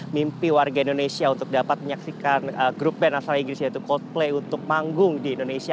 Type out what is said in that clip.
mimpi warga indonesia untuk dapat menyaksikan grup band asal inggris yaitu coldplay untuk panggung di indonesia